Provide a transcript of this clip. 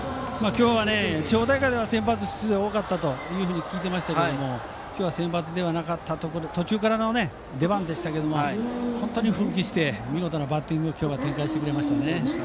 地方大会では先発出場が多かったと聞いていましたけど今日は先発ではなく途中からの出番でしたが本当に奮起して見事なバッティングを今日は展開してくれました。